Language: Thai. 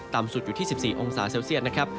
สุดอยู่ที่๑๔องศาเซลเซียตนะครับ